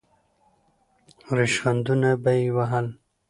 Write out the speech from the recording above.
ریشخندونه به یې وهل.